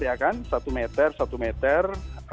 ya kan satu meter satu meter